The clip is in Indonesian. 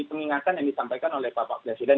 pengingatan yang disampaikan oleh bapak presiden